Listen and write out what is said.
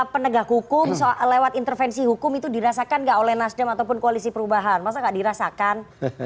penegak hukum lewat intervensi hukum itu dirasakan enggak oleh nasdem ataupun koalisi perubahan dirasakan